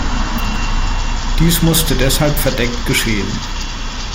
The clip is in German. Dies musste deshalb verdeckt geschehen.